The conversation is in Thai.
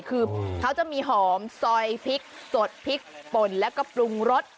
คือเขาจะมีหอมซอยพริกสดพริกป่นแล้วก็ปรุงรส